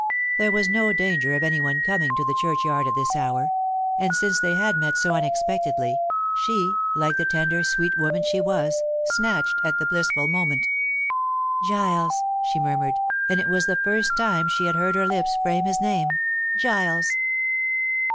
There was no danger of any one coming to the churchyard at this hour, and since they had met so unexpectedly, she like the tender, sweet woman she was snatched at the blissful moment. "Giles," she murmured, and it was the first time he had heard her lips frame his name. "Giles!"